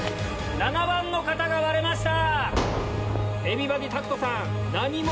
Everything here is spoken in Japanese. ７番の方が割れました！